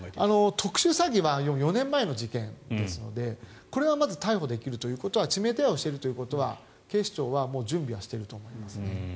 特殊詐欺は４年前の事件ですのでこれはまず逮捕できるということは指名手配してるということは警視庁は準備はしていると思います。